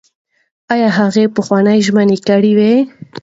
ایا هغې پخوانۍ ژمنه کړې وه؟